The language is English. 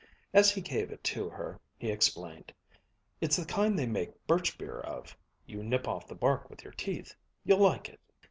As he gave it to her he explained, "It's the kind they make birch beer of. You nip off the bark with your teeth. You'll like it."